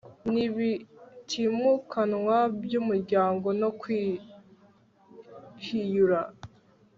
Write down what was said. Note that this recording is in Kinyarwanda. n ibitimukanwa by umuryango no kwihyura